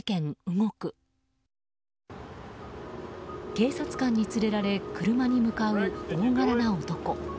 警察官に連れられ車に向かう大柄な男。